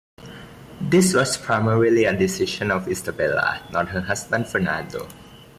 This was primarily a decision of Isabella, not her husband Fernando.